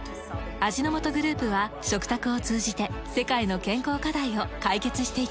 味の素グループは食卓を通じて世界の健康課題を解決していきます。